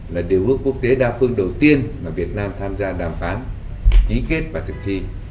là điều ước quốc tế đa phương đầu tiên mà việt nam tham gia đàm phán ký kết và thực thi